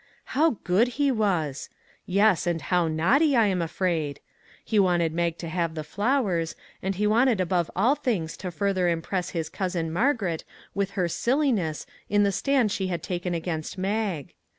" How good he was !" Yes, and how naughty, I am afraid. He wanted Mag to have the flowers, and he wanted 373 MAG AND MARGARET above all things to further impress his cousin Margaret with her " silliness " in the stand she had taken against Mag.